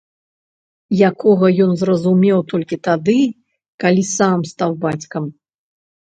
Якога ён зразумеў толькі тады, калі сам стаў бацькам.